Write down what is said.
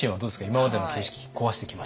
今までの形式壊してきました？